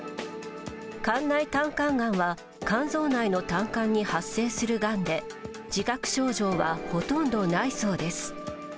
肝内胆管がんは肝臓内の胆管に発生するがんで自覚症状はほとんどないそうです。